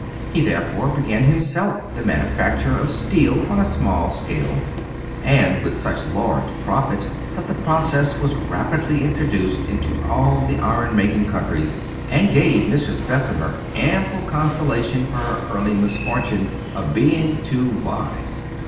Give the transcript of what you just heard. He therefore began himself the manufacture of steel on a small scale, and with such large profit, that the process was rapidly introduced into all the iron making countries, and gave Mrs. Bessemer ample consolation for her early misfortune of being too wise.